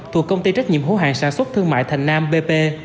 thuộc công ty trách nhiệm hữu hàng sản xuất thương mại thành nam bp